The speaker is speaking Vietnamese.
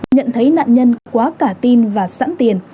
nhận thấy nạn nhân quá cả tin và sẵn tiền